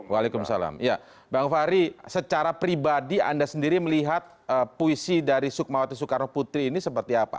waalaikumsalam ya bang fahri secara pribadi anda sendiri melihat puisi dari sukmawati soekarno putri ini seperti apa